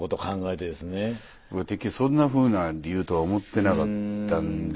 てっきりそんなふうな理由とは思ってなかったんで。